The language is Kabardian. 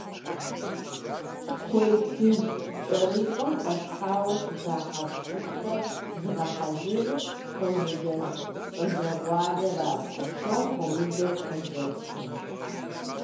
Кхъуейплъыжь кӏэрыщӏэм фӏалъхьэу щыта хьэпшыпхэр зыгъэхьэзырыр къуажэдэс щӏалэгъуалэрат, псом хуэмыдэу хъыджэбзхэм.